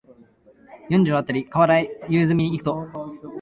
四条あたりの河原へ夕涼みに行くと、